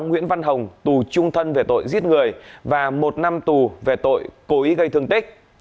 nguyễn văn hồng tù trung thân về tội giết người và một năm tù về tội cố ý gây thương tích